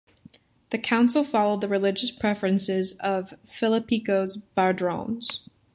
The Council followed the religious preferences of Philippikos Bardanes.